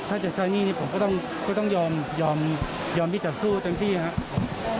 ถ้าจะใช้หนี้นี่ผมก็ต้องยอมที่จะสู้เต็มที่ครับ